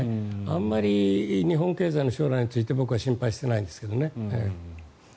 あんまり日本経済の将来について僕は心配してないんですけどね。